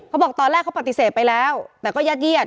เขาบอกตอนแรกเขาปฏิเสธไปแล้วแต่ก็ญาติเยียด